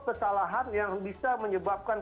kesalahan yang bisa menyebabkan